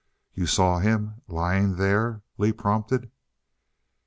"You saw him lying there?" Lee prompted.